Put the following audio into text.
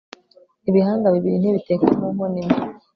ibihanga bibili ntibitekwa mu nkono imwe